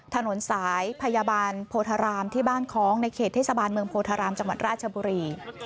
ถนนสายพยาบาลโพธารามที่บ้านคล้องในเขตเทศบาลเมืองโพธารามจังหวัดราชบุรี